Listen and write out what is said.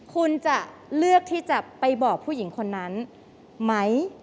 คุณจะเลือกที่จะไปบอกผู้หญิงคนนั้นไหม